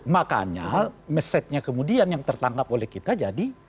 makanya mesejnya kemudian yang tertangkap oleh kita jadi